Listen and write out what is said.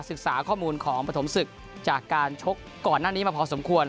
ศึกษาข้อมูลของปฐมศึกจากการชกก่อนหน้านี้มาพอสมควร